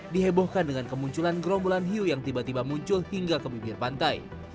dihebohkan dengan kemunculan gerombolan hiu yang tiba tiba muncul hingga ke bibir pantai